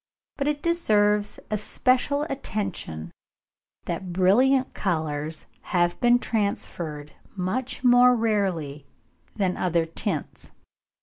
But it deserves especial attention that brilliant colours have been transferred much more rarely than other tints.